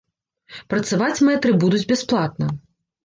Працаваць мэтры будуць бясплатна.